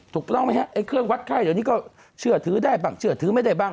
ถูกต้องไหมฮะไอ้เครื่องวัดไข้เดี๋ยวนี้ก็เชื่อถือได้บ้างเชื่อถือไม่ได้บ้าง